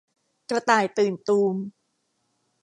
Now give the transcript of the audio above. กระต่ายตื่นตูม